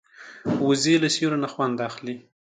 وزې له سیوري نه خوند اخلي